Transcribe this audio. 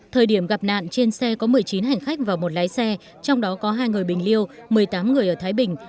thời điểm gặp nạn trên xe có một mươi chín hành khách và một lái xe trong đó có hai người bình liêu một mươi tám người ở thái bình